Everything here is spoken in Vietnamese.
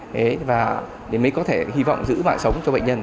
đấy và mới có thể hy vọng giữ mạng sống cho bệnh nhân